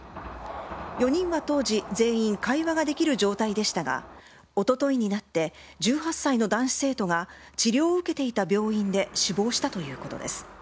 ４人は当時、全員会話ができる状態でしたがおとといになって１８歳の男子生徒が治療を受けていた病院で死亡したということです。